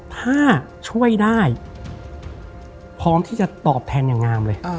ถ้าช่วยได้พร้อมที่จะตอบแทนอย่างงามเลย